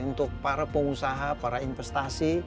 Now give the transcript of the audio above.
untuk para pengusaha para investasi